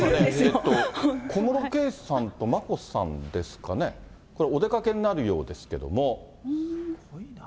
小室圭さんと眞子さんですかね、お出かけになるようですけれども。